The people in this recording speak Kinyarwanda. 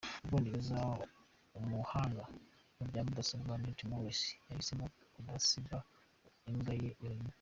U Bwongereza : Umuhanga mu bya mudasobwa Nat Morris yahisemo kudasiga imbwa ye yonyine.